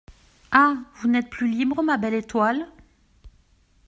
Ah ! vous n'êtes plus libre, ma belle étoile.